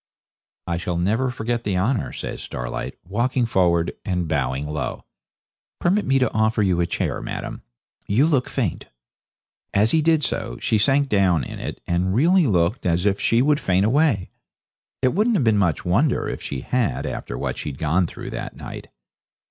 'I shall never forget the honour,' says Starlight, walking forward and bowing low. 'Permit me to offer you a chair, madam; you look faint.' As he did so she sank down in it, and really looked as if she would faint away. It wouldn't have been much wonder if she had after what she'd gone through that night.